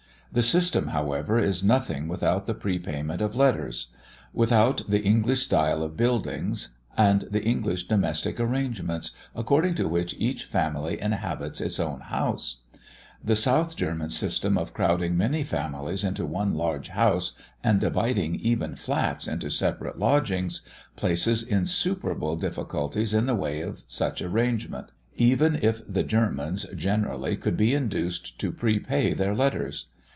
The system however is nothing without the prepayment of letters, without the English style of buildings, and the English domestic arrangements, according to which each family inhabits its own house. The South German system of crowding many families into one large house, and dividing even flats into separate lodgings, places insuperable difficulties in the way of any such arrangement, even if the Germans, generally, could be induced to prepay their letters.